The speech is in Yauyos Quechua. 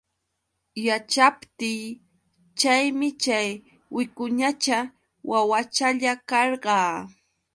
Yaćhaptiy chaymi chay wicuñacha wawachalla karqa.